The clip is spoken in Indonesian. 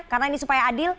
karena ini supaya adil